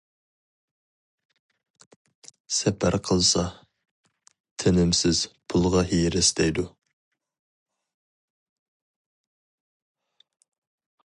سەپەر قىلسا، «تىنىمسىز، پۇلغا ھېرىس» دەيدۇ.